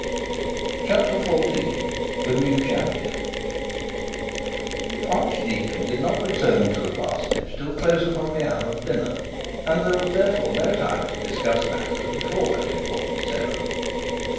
CHAPTER XIV THE NEW CAMPAIGN The archdeacon did not return to the parsonage till close upon the hour of dinner, and there was therefore no time to discuss matters before that important ceremony.